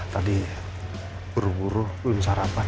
tadi buru buru belum sarapan